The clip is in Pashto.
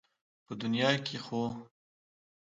په دنيا کې خو